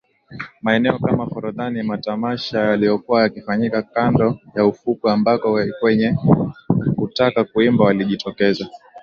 Maeneo kama Forodhani matamasha yaliyokuwa yakifanyika kando ya ufukwe ambako wenye kutaka kuimba walijitokeza